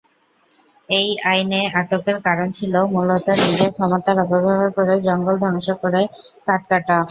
এই আইনে আটকের কারণ ছিল মূলত নিজের ক্ষমতার অপব্যবহার করে জঙ্গল ধ্বংস করে কাঠ কাটা।